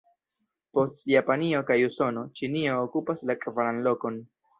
Post Japanio kaj Usono, Ĉinio okupas la kvaran lokon.